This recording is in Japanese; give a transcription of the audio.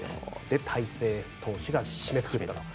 大勢投手が締めくくったと。